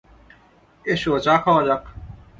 S, চা খাওয়া যাক।